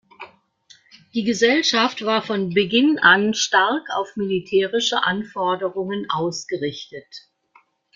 Die Gesellschaft war von Beginn an stark auf militärische Anforderungen ausgerichtet.